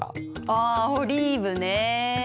あオリーブね。